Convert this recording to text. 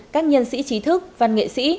các nhân sĩ trí thức văn nghệ sĩ